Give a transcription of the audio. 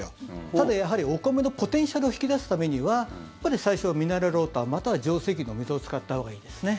ただやはりお米のポテンシャルを引き出すためには最初はミネラルウォーターまたは浄水器のお水を使ったほうがいいですね。